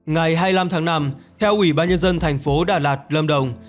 ngày hai mươi năm tháng năm theo ủy ban nhân dân thành phố đà lạt lâm đồng